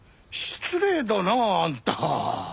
失礼だなあんた。